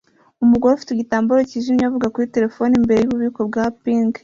Umugore ufite igitambaro cyijimye avugana kuri terefone imbere yububiko bwa Pink